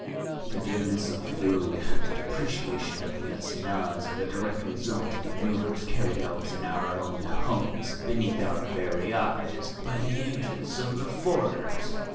The dearness of food, the depreciation of the assignats are the direct result of manoeuvres carried out in our own homes, beneath our very eyes, by the agents of the foreigners.